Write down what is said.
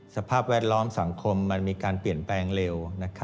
สภาพแวดล้อมสังคมมันมีการเปลี่ยนแปลงเร็ว